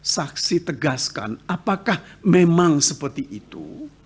saksi tegaskan apakah memang seperti itu